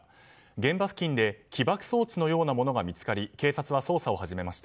現場付近で起爆装置のようなものが見つかり警察は捜査を始めました。